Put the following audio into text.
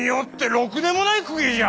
ろくでもない公家じゃ！